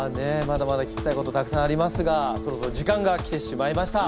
まだまだ聞きたいことたくさんありますがそろそろ時間が来てしまいました。